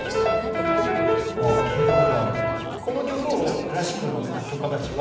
あ聴いたことある。